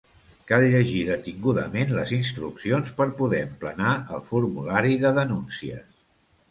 Cal llegir detingudament les instruccions per poder emplenar el formulari de denúncies.